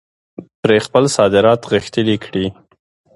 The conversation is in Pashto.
پرې خپل صادرات غښتلي کړي.